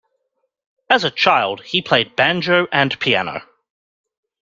As a child, he played banjo and piano.